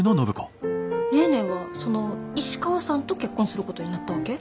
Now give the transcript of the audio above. ネーネーはその石川さんと結婚することになったわけ？